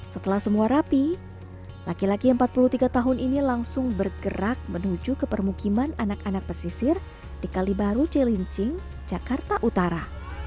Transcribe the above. setelah semua rapi laki laki empat puluh tiga tahun ini langsung bergerak menuju ke permukiman anak anak pesisir di kalibaru celincing jakarta utara